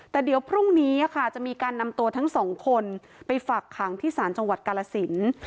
แต่เดี๋ยวพรุ่งนี้จะมีการนำตัวทั้งสองคนไปฝักขังที่ศาลจังหวัดกาลสิน